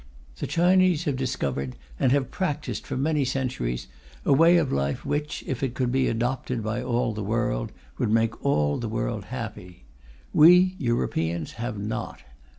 The Chinese have discovered, and have practised for many centuries, a way of life which, if it could be adopted by all the world, would make all the world happy. We Europeans have not.